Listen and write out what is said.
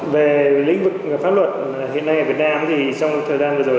về lĩnh vực pháp luật hiện nay ở việt nam thì trong thời gian vừa rồi